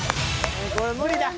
これ無理だ。